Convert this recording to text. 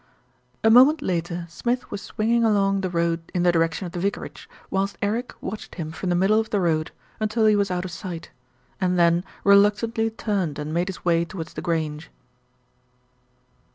A moment later, Smith was swinging along the road in the direction of the vicarage, whilst Eric watched him from the middle of the road until he was out of sight, and then reluctantly turned and made his way towards The Grange.